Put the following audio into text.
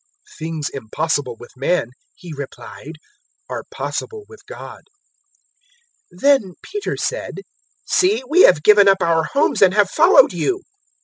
018:027 "Things impossible with man," He replied, "are possible with God." 018:028 Then Peter said, "See, we have given up our homes and have followed you."